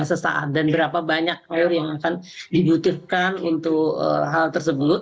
sesaat dan berapa banyak air yang akan dibutuhkan untuk hal tersebut